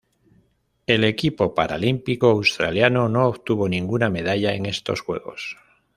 El equipo paralímpico australiano no obtuvo ninguna medalla en estos Juegos.